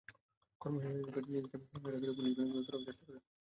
কর্মসূচির আয়োজককে টেনেহিঁচড়ে, ঘাড়ে ধরে পুলিশ ভ্যানে তোলারও চেষ্টা করে পুলিশ।